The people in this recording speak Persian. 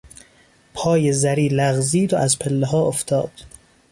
پای زری لغزید و از پلهها افتاد.